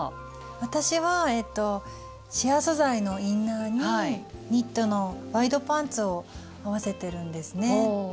私はシア素材のインナーにニットのワイドパンツを合わせてるんですね。